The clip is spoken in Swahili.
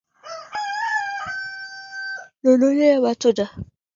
Nunueni matunda.